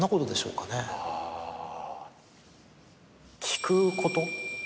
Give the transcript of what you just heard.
聞くこと。